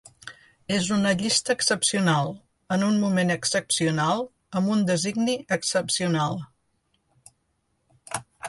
És una llista excepcional, en un moment excepcional amb un designi excepcional.